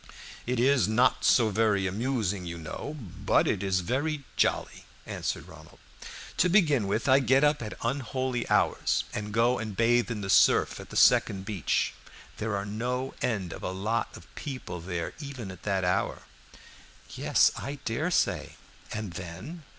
"It is not so very amusing, you know, but it is very jolly," answered Ronald. "To begin with, I get up at unholy hours and go and bathe in the surf at the second beach. There are no end of a a lot of people there even at that hour." "Yes, I dare say. And then?"